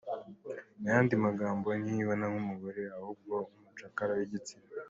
Mu yandi magambo ntiyibona nk’umugore ahubwo nk’umucakara w’igitsina.